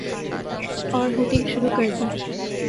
اورہوٹنگ شروع کردیں۔